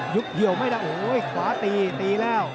เหี่ยวไม่ได้โอ้โหขวาตีตีแล้ว